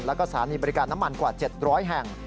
แล้วก็สถานีบริการน้ำมันกว่า๗๐๐แห่ง